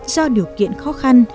do điều kiện khó khăn